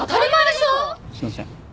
すいません